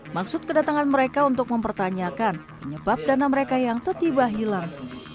maksud kedatangan mereka untuk mempertanyakan menyebabkan dana mereka yang tiba tiba hilang